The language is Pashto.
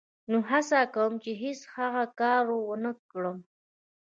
نو هڅه کوم چې هېڅ هغه کار و نه کړم.